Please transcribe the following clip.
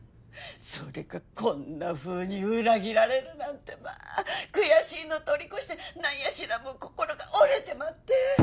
それがこんなふうに裏切られるなんてまあ悔しいの通り越して何やしら心が折れてまって。